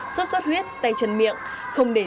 sốt sốt huyết tay chân miệng không để